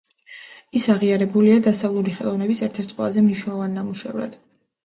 ის აღიარებულია დასავლური ხელოვნების ერთ-ერთ ყველაზე მნიშვნელოვან ნამუშევრად.